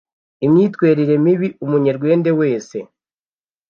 imyitwerire mibi Umunyerwende wese